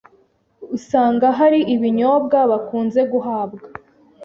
usanga hari ibinyobwa bakunze guhabwa